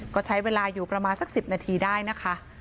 ก็ใช้เวลาอยู่ประมาณสัก๑๐นาทีได้นะคะ